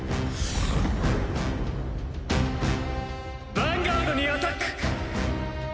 ヴァンガードにアタック！